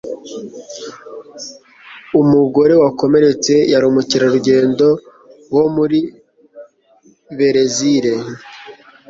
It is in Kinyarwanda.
Umugore wakomeretse yari umukerarugendo wo muri Berezile.